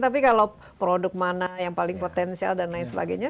tapi kalau produk mana yang paling potensial dan lain sebagainya